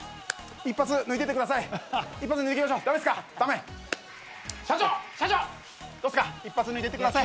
一発抜いてってください。